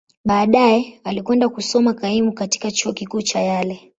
Baadaye, alikwenda kusoma kaimu katika Chuo Kikuu cha Yale.